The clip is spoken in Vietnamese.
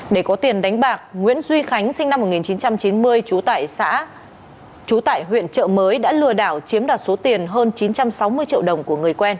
để có tiền đánh bạc nguyễn duy khánh sinh năm một nghìn chín trăm chín mươi trú tại huyện trợ mới đã lừa đảo chiếm đạt số tiền hơn chín trăm sáu mươi triệu đồng